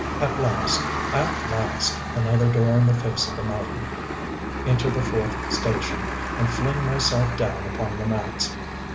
At last at last another door in the face of the mountain. Enter the fourth station, and fling myself down upon the mats.